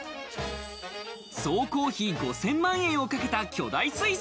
総工費５０００万円をかけた巨大水槽。